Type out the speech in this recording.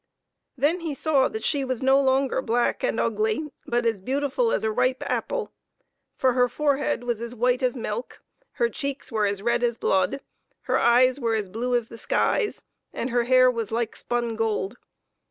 Then he saw that she was no longer black and ugly, but as beautiful as a ripe apple ; for her forehead was as white as milk, her cheeks were as red as blood, her eyes were as blue as the skies, and her hair was like spun gold.